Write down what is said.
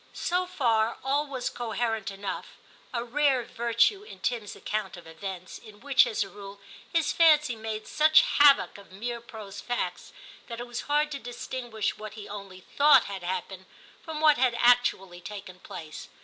So far all was coherent enough, a rare virtue in Tim's account of events, in which, as a rule, his fancy made such havoc of mere prose facts, that it was hard to distinguish what he only thought had happened from what had actually taken place.